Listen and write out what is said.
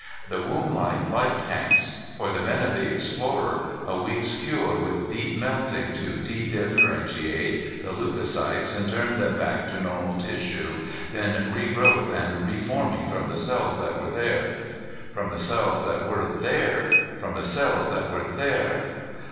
The womblike life tanks. For the men of the Explorer, a week's cure with deep melting to de differentiate the leucocytes and turn them back to normal tissue, then regrowth and reforming from the cells that were there. From the cells that were there. _From the cells that were there....